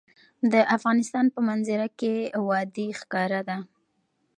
د افغانستان په منظره کې وادي ښکاره ده.